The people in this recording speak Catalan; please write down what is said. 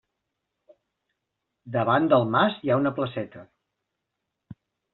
Davant del mas hi ha una placeta.